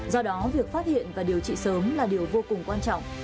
do đó việc phát hiện và điều trị sớm là điều vô cùng quan trọng